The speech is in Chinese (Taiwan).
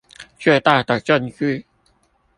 最大的證據